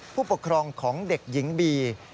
ผู้ปกครองของเด็กหญิงบี